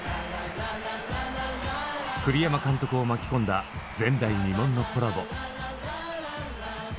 栗山監督を巻き込んだ前代未聞のコラボ！